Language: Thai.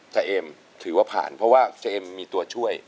แต่เอมถือว่าผ่านเพราะว่าเจมส์มีตัวช่วย